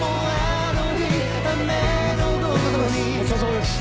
お疲れさまです。